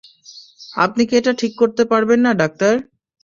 আপনি কি এটা ঠিক করতে পারবেন না, ডাক্তার?